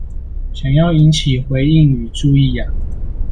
想要引起回應與注意呀